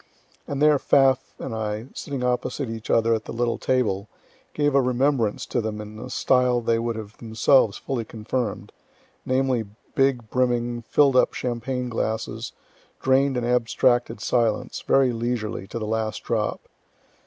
And there Pfaff and I, sitting opposite each other at the little table, gave a remembrance to them in a style they would have themselves fully confirm'd, namely, big, brimming, fill'd up champagne glasses, drain'd in abstracted silence, very leisurely, to the last drop.